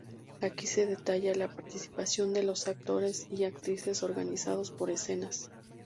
Aquí se detalla la participación de los actores y actrices organizados por escenas.